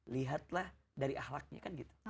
lihatlah dari ahlaknya